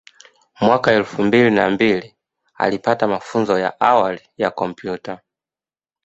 Mwaka elfu mbili na mbili alipata mafunzo ya awali ya kompyuta